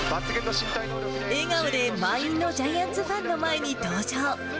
笑顔で、満員のジャイアンツファンの前に登場。